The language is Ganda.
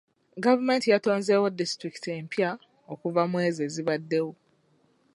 Gavumenti yatonzeewo disitulikiti empya okuva mw'ezo ezibaddewo.